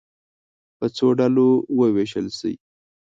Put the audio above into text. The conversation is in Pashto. په څو ډلو وویشل شئ.